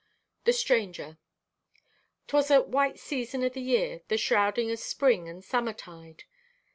THE STRANGER 'Twas at white season o' the year, the shrouding o' spring and summerstide.